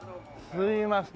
すいません。